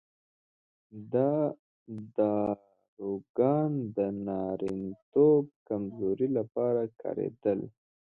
دا داروګان د نارینتوب کمزورۍ لپاره کارېدل.